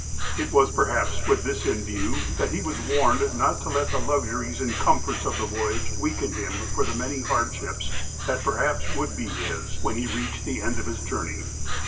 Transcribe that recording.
It was perhaps with this in view that he wp s warned not to let the luxuries and comforts of the voyage weaken him for the many hardships that perhaps would be his, when he reached the end of his journey.